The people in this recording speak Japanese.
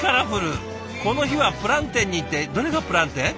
この日はプランテンにってどれがプランテン？